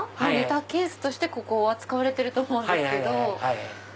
ネタケースとしてここは使われてると思うんですけど。